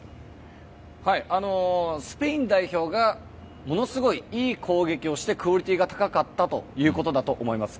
スペイン代表がものすごくいい攻撃をしてクオリティーが高かったということだと思います。